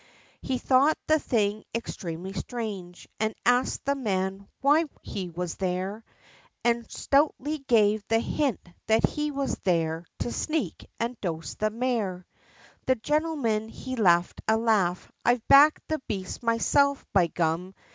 He thought the thing extremely strange, and asked the man, why he was there, And stoutly gave the hint, that he was there, to sneak, and dose the mare. The gentleman, he laughed a laugh. "I've backed the beast myself, by gum!